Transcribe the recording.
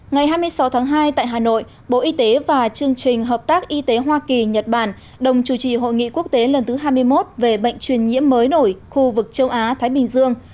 ngày hai mươi sáu tháng hai tại hà nội bộ y tế và chương trình hợp tác y tế hoa kỳ nhật bản đồng chủ trì hội nghị quốc tế lần thứ hai mươi một về bệnh truyền nhiễm mới nổi khu vực châu á thái bình dương